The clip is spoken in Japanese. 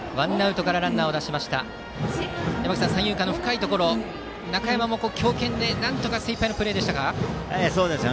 山口さん、三遊間の深いところ中山も強肩で精いっぱいのプレーでした。